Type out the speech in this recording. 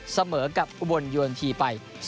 เสมอกับอุบลยูเอ็นทีไป